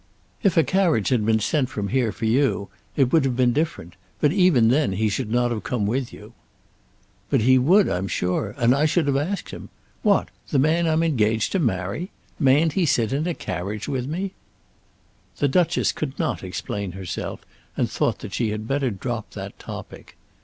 "If a carriage had been sent from here for you, it would have been different; but even then he should not have come with you." "But he would I'm sure; and I should have asked him. What; the man I'm engaged to marry! Mayn't he sit in a carriage with me?" The Duchess could not explain herself, and thought that she had better drop that topic.